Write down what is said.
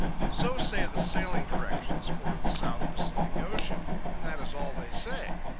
So say the sailing directions for the South Pacific Ocean; and that is all they say.